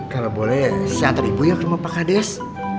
kalau boleh si antar ibu ya ke rumah pak kades